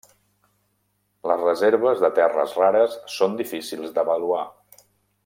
Les reserves de terres rares són difícils d’avaluar.